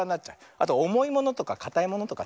あとおもいものとかかたいものとか。